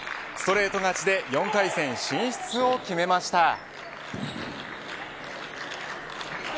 ストレート勝ちで４回戦進出を決めました。